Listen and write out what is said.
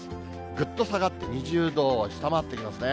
ぐっと下がって２０度を下回ってきますね。